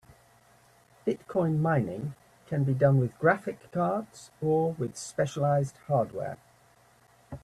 Bitcoin mining can be done with graphic cards or with specialized hardware.